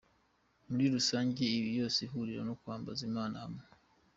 Muri rusange isi yose ihurira ku kwambaza Imana imwe.